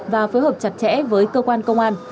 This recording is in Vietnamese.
và phối hợp chặt chẽ với cơ quan công an